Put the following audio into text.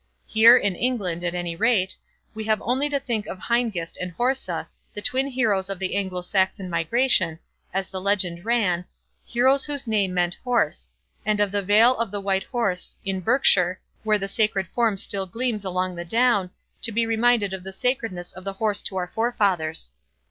Here, in England, at any rate, we have only to think of Hengist and Horsa, the twin heroes of the Anglo Saxon migration, as the legend ran—heroes whose name meant "horse"—and of the vale of the White Horse in Berks., where the sacred form still gleams along the down, to be reminded of the sacredness of the horse to our forefathers.